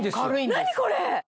何これ！